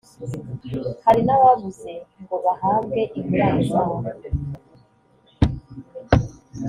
hari n’ababuze ngo bahabwe ingurane zabo